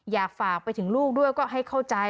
อยากฝากไปถึงลูกด้วยก็ให้เข้าใจ